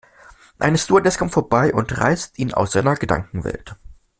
Eine Stewardess kommt vorbei und reißt ihn aus seiner Gedankenwelt.